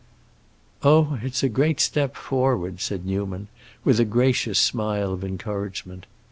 "Oh, it's a great step forward!" said Newman, with a gracious smile of encouragement.